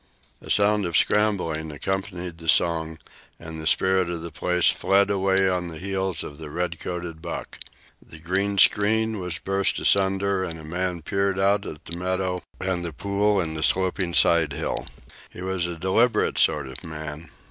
'A sound of scrambling accompanied the song, and the spirit of the place fled away on the heels of the red coated buck. The green screen was burst asunder, and a man peered out at the meadow and the pool and the sloping side hill. He was a deliberate sort of man.